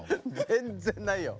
全然ないよ。